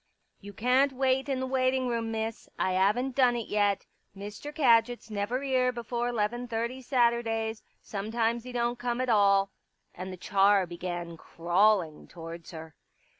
" You can't wait in the waiting room, Miss. I 'aven't done it yet. Mr. Kadgit's never 'ere before 'leven thirty Saturdays. Sometimes 'e don't come at all." And the char began crawling towards her.